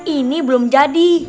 ini belum jadi